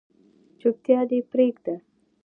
چوپتیا دې پریږده